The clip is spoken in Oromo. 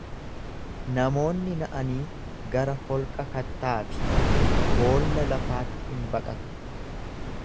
Namoonni na'anii gara holqa kattaa fi boolla lafaatti in baqatu.